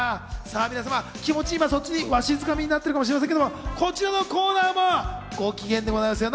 皆さんも気持ち、そっちに鷲掴みになってるかもしれませんけど、こちらのコーナーもご機嫌でございますよ。